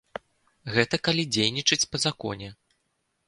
Гэта калі дзейнічаць па законе.